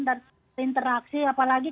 dan berinteraksi apalagi